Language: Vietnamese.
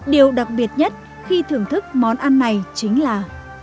điều đặc biệt nhất khi thưởng thức món ăn này chính là